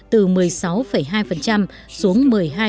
từ một mươi sáu hai xuống một mươi hai